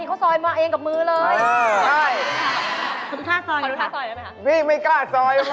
ข้าวซอยมาเองกับมือเลย